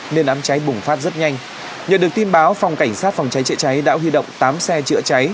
nên đám cháy bùng phát rất nhanh nhờ được tin báo phòng cảnh sát phòng cháy chữa cháy đã huy động tám xe chữa cháy